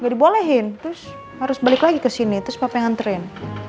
gak dibolehin terus harus balik lagi kesini terus papa yang anterin